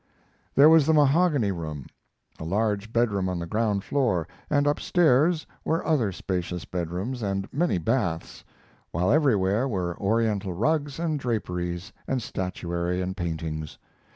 There was the mahogany room, a large bedroom on the ground floor, and upstairs were other spacious bedrooms and many baths, while everywhere were Oriental rugs and draperies, and statuary and paintings.